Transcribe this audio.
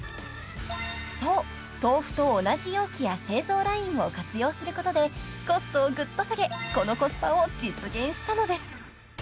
［そう豆腐と同じ容器や製造ラインを活用することでコストをグッと下げこのコスパを実現したのです］